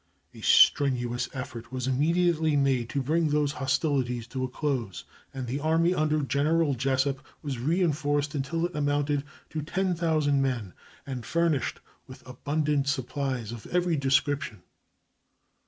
A strenuous effort was immediately made to bring those hostilities to a close, and the army under General Jesup was reenforced until it amounted to 10,000 men, and furnished with abundant supplies of every description.